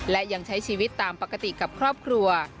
และยังใช้ชีวิตตามปกติกับครอบครัว